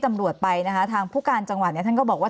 ดูดไปทางผู้การจังหวัดท่านก็บอกว่า